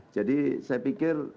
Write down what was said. jadi saya pikir